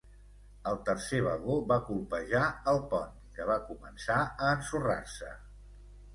El tercer vagó va colpejar el pont, que va començar a ensorrar-se.